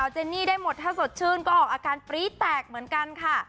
เจนนี่ได้หมดถ้าสดชื่นก็ออกอาการปรี๊แตกเหมือนกันค่ะ